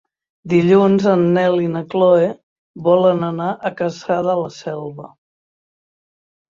Dilluns en Nel i na Chloé volen anar a Cassà de la Selva.